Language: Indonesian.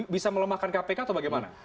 bisa melemahkan kpk atau bagaimana